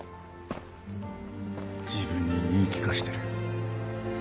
自分に言い聞かしてる。